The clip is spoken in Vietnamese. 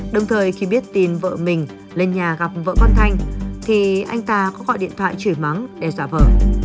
đồng thời khi biết tin vợ mình lên nhà gặp vợ con thanh thì anh ta có gọi điện thoại chửi mắng để giả vờ